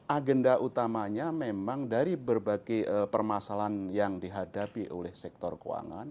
agenda utamanya memang dari berbagai permasalahan yang dihadapi oleh sektor keuangan